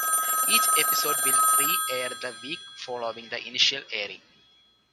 Each episode will re-air the week following the initial airing.